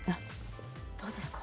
どうですか？